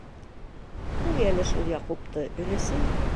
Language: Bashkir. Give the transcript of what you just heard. - Ҡуй әле шул Яҡупты, өләсәй!